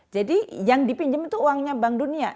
jadi yang dipinjam itu uangnya bank dunia